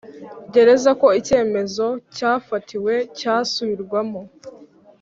gereza ko icyemezo yafatiwe cyasubirwamo